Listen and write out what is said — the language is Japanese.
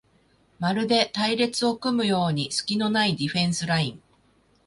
まるで隊列を組むようにすきのないディフェンスライン